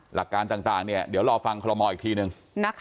หลักการต่างเดี๋ยวรอฟังคอลโมอีกทีนึง